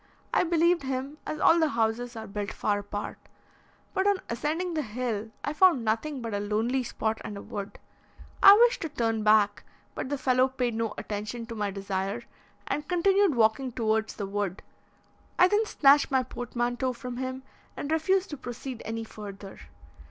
I believed him, as all the houses are built far apart; but on ascending the hill, I found nothing but a lonely spot and a wood. I wished to turn back, but the fellow paid no attention to my desire, and continued walking towards the wood. I then snatched my portmanteau from him, and refused to proceed any further.